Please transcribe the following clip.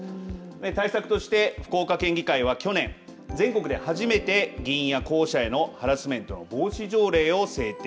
対策として福岡県議会は去年全国で初めて議員や候補者へのハラスメントの防止条例を制定。